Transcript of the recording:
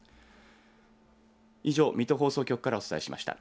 以上、水戸放送局からお伝えしました。